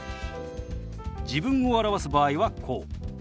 自分を表す場合はこう。